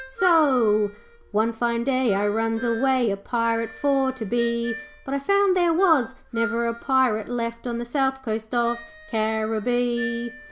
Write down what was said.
'So one fine day I runs away A Pirate for to be; But I found there was never a Pirate left On the coast of Caribbee.